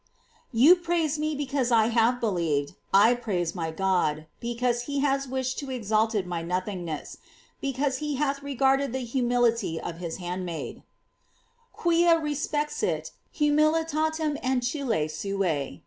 You praise me because I have believed; I praise my God, because he has wished to exalt my nothingness; because he hath regarded the humility of his handmaid: "Quia respexit humilitatem ancillae suae."